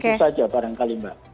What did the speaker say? itu saja barangkali mbak